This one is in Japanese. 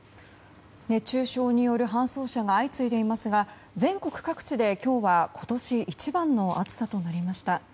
熱中症による搬送者が相次いでいますが全国各地で今日は今年一番の暑さとなりました。